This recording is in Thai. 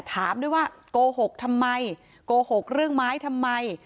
ถามด้วยว่าโกหกทำไมโกหกเรื่องไม้ทำไม